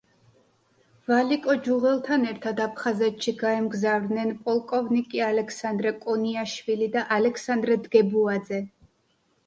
ვალიკო ჯუღელთან ერთად აფხაზეთში გაემგზავრნენ პოლკოვნიკი ალექსანდრე კონიაშვილი და ალექსანდრე დგებუაძე.